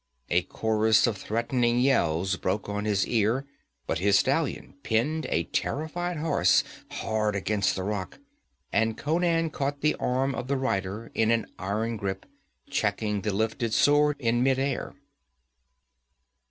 A chorus of threatening yells broke on his ear, but his stallion pinned a terrified horse hard against the rock, and Conan caught the arm of the rider in an iron grip, checking the lifted sword in midair.